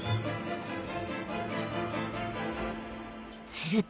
［すると］